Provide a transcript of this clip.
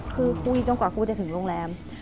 คือคุยจนกว่าครูจะถึงโรงแรม